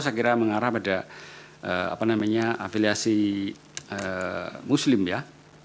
saya kira mengarah pada afiliasi muslim ya